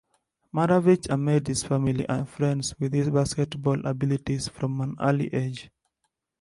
Maravich amazed his family and friends with his basketball abilities from an early age.